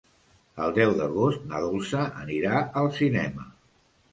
El deu d'agost na Dolça anirà al cinema.